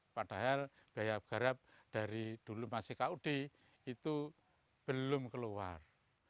padahal biaya garap dari dulu masih kud itu belum keluar